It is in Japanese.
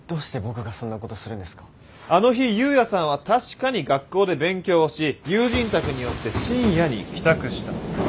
あの日由也さんは確かに学校で勉強をし友人宅に寄って深夜に帰宅した。